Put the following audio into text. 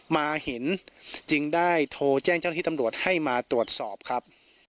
มาเห็นจึงได้โทรแจ้งเจ้าหน้าที่ตำรวจให้มาตรวจสอบครับ